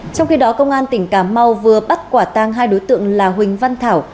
trong khi đó công an tỉnh cà mau vừa bắt quả tang hai đối tượng là huỳnh văn thảo